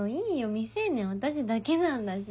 未成年私だけなんだし。